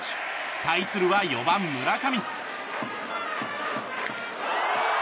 対するは４番、村上。